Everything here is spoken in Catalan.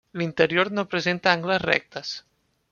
L'interior no presenta angles rectes.